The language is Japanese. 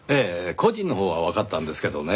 個人のほうはわかったんですけどね。